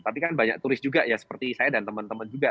tapi kan banyak turis juga ya seperti saya dan teman teman juga